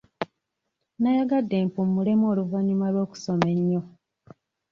Nayagadde mpummulemu oluvanyuma lw'okusoma ennyo.